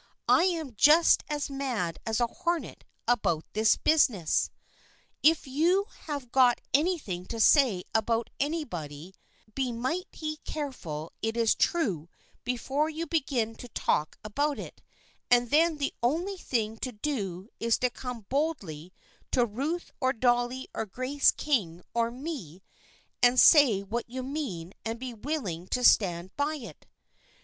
" I am just as mad as a hornet about this business. If you have got anything to say about anybody be mighty careful it is true before you be gin to talk about it, and then the only thing to do is to come boldly to Ruth or Dolly or Grace King or me and say what you mean and be willing to stand by it.